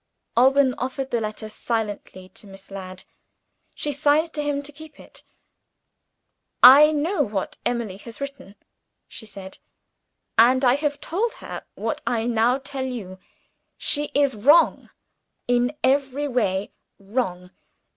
Alban offered the letter silently to Miss Ladd. She signed to him to keep it. "I know what Emily has written," she said; "and I have told her, what I now tell you she is wrong; in every way, wrong.